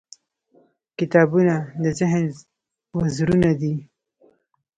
• کتابونه د ذهن وزرونه دي.